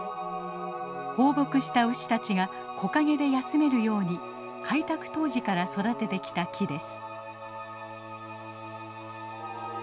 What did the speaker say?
放牧した牛たちが木陰で休めるように開拓当時から育ててきた木です。